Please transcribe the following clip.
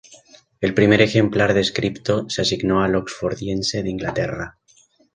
El primer ejemplar descripto se asignó al Oxfordiense de Inglaterra.